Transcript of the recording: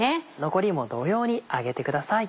残りも同様に揚げてください。